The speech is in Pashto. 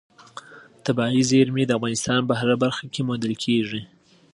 طبیعي زیرمې د افغانستان په هره برخه کې موندل کېږي.